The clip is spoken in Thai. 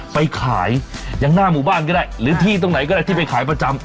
ไปขายอย่างหน้าหมู่บ้านก็ได้หรือที่ตรงไหนก็ได้ที่ไปขายประจำ